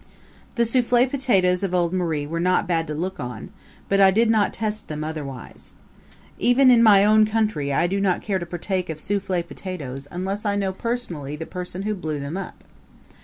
The souffle potatoes of old Marie were not bad to look on, but I did not test them otherwise. Even in my own country I do not care to partake of souffle potatoes unless I know personally the person who blew them up.